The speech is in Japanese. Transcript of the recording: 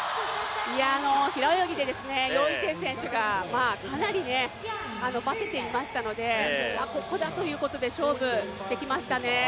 平泳ぎで、余依テイ選手がかなりバテていましたのでここだということで勝負してきましたね。